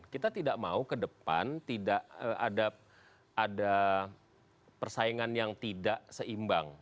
kita tidak mau ke depan tidak ada persaingan yang tidak seimbang